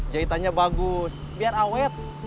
jahitannya bagus biar awet